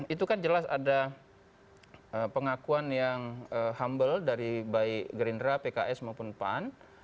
itu kan jelas ada pengakuan yang humble dari baik gerindra pks maupun pan